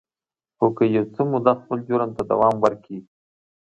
خو که يو څه موده خپل جرم ته دوام ورکړي.